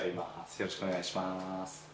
よろしくお願いします。